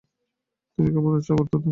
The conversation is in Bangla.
তুমি কেমন আছ, আর তুমি বাড়ি এসো।